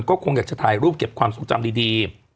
ก็คงอยากจะถ่ายรูปเก็บความทรงจำดี